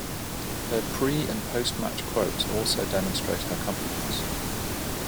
Her pre- and post-match quotes also demonstrate her confidence.